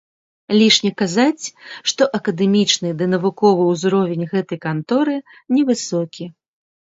Лішне казаць, што акадэмічны ды навуковы ўзровень гэтай канторы невысокі.